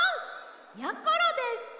やころです！